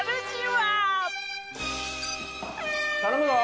頼むぞ。